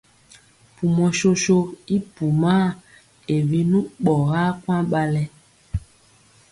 Mpumɔ soso i pumaa e binu ɓɔgaa kwaŋ ɓalɛ.